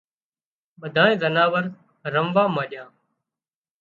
ٻڌانئي زناور رموا مانڏيا